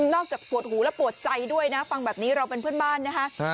จากปวดหูและปวดใจด้วยนะฟังแบบนี้เราเป็นเพื่อนบ้านนะคะ